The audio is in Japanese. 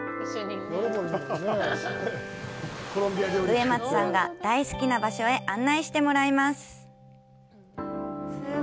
植松さんが大好きな場所へ案内してもらいます。